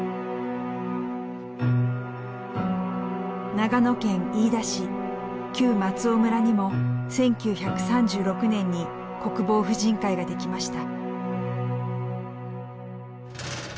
長野県飯田市旧松尾村にも１９３６年に国防婦人会が出来ました。